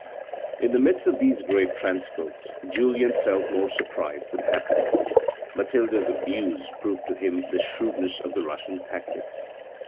In the midst of these great transports Julien felt more surprised than happy. Mathilde's abuse proved to him the shrewdness of the Russian tactics.